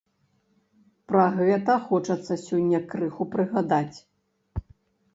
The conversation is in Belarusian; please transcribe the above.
Пра гэта хочацца сёння крыху прыгадаць.